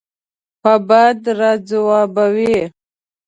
په بد راځوابوي.